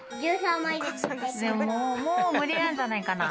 もうもうむりなんじゃないかな？